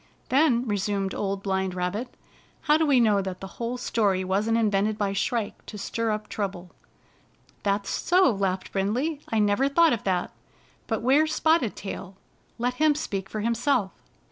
" Then," resumed Old Blind Rabbit, "how do we know that the whole story wasn't invented by Shrike to stir up trouble?" " That's so," laughed Brindley. " I never thought of that. But where's Spotted Tail? Let him speak for himself."